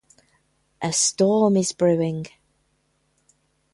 A storm is brewing.